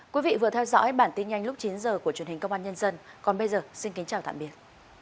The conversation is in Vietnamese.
quý vị vừa theo dõi bản tin nhanh lúc chín h của truyền hình công an nhân dân còn bây giờ xin kính chào tạm biệt